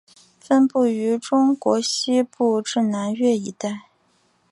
分布于中国西部至越南一带。